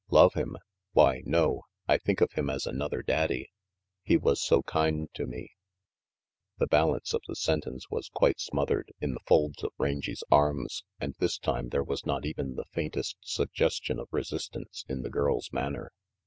"Love him? Why no! I think of him as another daddy; he was so kind to me The balance of the sentence was quite smothered in the folds of Rangy's arms, and this time there was not even the faintest suggestion of resistance in the girl's manner.